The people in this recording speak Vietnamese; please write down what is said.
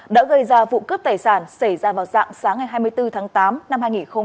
đã gây ra vụ cướp tài sản xảy ra vào dạng sáng ngày hai mươi bốn tháng tám năm hai nghìn hai mươi ba